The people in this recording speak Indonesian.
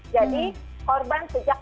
jadi korban sejauh ini